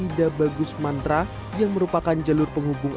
ida bagus mantra yang merupakan jalur penghubung